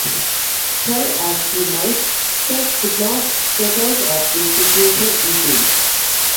Try as he might Ted could not get out of this situation easily.